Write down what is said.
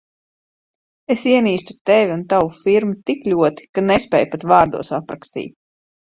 Es ienīstu Tevi un tavu firmu tik ļoti, ka nespēju pat vārdos aprakstīt.